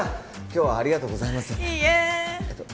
今日はありがとうございますいいええっと